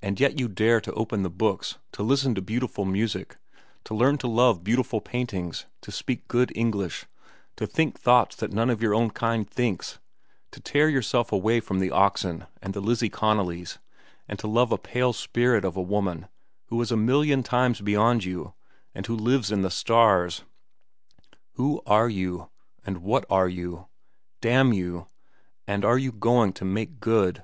And yet you dare to open the books, to listen to beautiful music, to learn to love beautiful paintings, to speak good English, to think thoughts that none of your own kind thinks, to tear yourself away from the oxen and the Lizzie Connollys and to love a pale spirit of a woman who is a million miles beyond you and who lives in the stars! Who are you? and what are you? damn you! And are you going to make good?